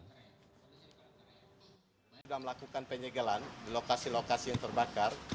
kami sudah melakukan penyegelan di lokasi lokasi yang terbakar